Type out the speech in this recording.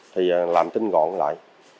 thì làm tinh gọn lại